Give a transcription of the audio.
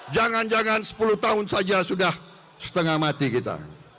jangan jangan sepuluh tahun saja sudah setengah mati kita